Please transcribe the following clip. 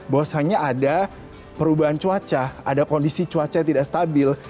bahwasannya ada perubahan cuaca ada kondisi cuaca yang tidak stabil